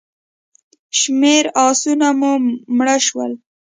شمېر آسونه مو مړه شول.